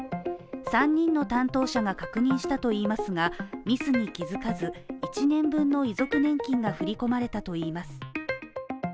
３人の担当者が確認したといいますがミスに気づかず１年分の遺族年金が振り込まれたといいます。